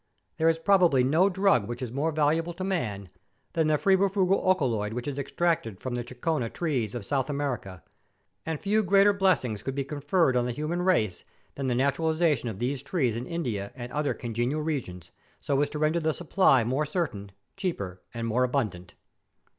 There is probably no drug which is more valuable to man than the febrifugal alkaloid which is extracted from the chinchona trees of South America; and few greater blessings could be conferred on the human race than the naturaliza¬ tion of these trees in India and other congenial regions, so as to render the supply more certain, cheaper, and more abundant.